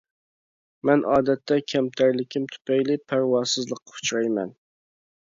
مەن ئادەتتە كەمتەرلىكىم تۈپەيلى پەرۋاسىزلىققا ئۇچرايمەن.